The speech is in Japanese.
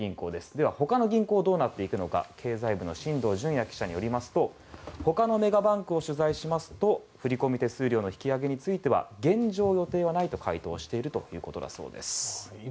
では、ほかの銀行はどうなっていくのか経済部の進藤潤耶記者によりますとほかのメガバンクを取材しますと振込手数料の引き上げについては現状、予定はないと回答しているということだそうです。